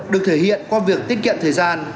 được thể hiện qua việc tiết kiệm thời gian